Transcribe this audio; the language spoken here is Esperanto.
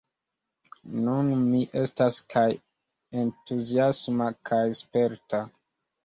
Nun mi estas kaj entuziasma kaj sperta.